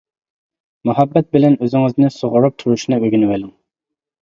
مۇھەببەت بىلەن ئۆزىڭىزنى سۇغۇرۇپ تۇرۇشنى ئۆگىنىۋېلىڭ!